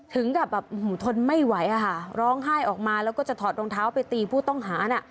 ถึงกับแบบทนไม่ไหวอะค่ะร้องไห้ออกมาแล้วก็จะถอดรองเท้าไปตีผู้ต้องหาน่ะ